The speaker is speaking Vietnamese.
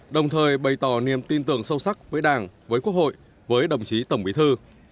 đồng thời bày tỏ niềm tin tưởng sâu sắc với đảng với quốc hội với đồng chí tổng bí thư